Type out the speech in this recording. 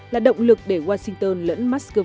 là động lực để washington lẫn moscow